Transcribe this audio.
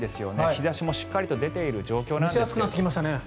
日差しもしっかりと出ている状況なんです。